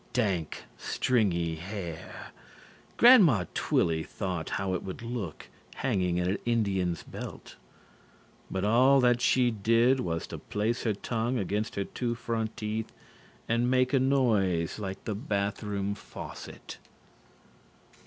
Dank, stringy hair. Grandma Twilly thought how it would look hanging at an Indian's belt. But all that she did was to place her tongue against her two front teeth and make a noise like the bath room faucet.